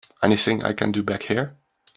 Anything I can do back here?